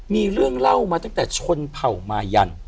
มีเรื่องเล่ามาตั้งแต่ชนเผ่ามายัน